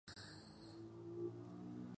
Las inflorescencias son más cortas que las hojas.